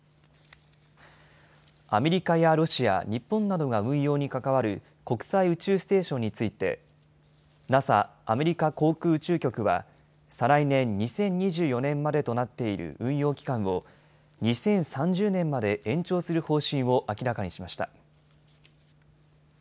アメリカやロシア、日本などが運用に関わる国際宇宙ステーションについて、ＮＡＳＡ・アメリカ航空宇宙局は、再来年・２０２４年までとなっている運用期間を、２０３０年まで延長する方針を明らかにしました。